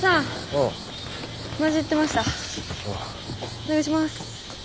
お願いします。